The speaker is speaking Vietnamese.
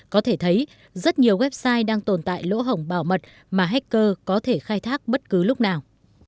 có thể thấy rất nhiều website đang tồn tại lỗ hỏng bảo mật mà hacker có thể khai thác bất cứ lúc nào